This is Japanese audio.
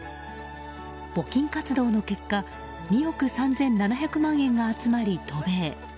募金活動の結果２億３７００万円が集まり渡米。